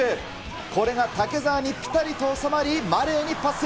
これが竹澤にぴたりと収まりマレーにパス。